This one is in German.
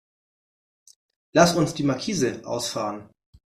Lass uns die Markise ausfahren.